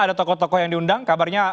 ada tokoh tokoh yang diundang kabarnya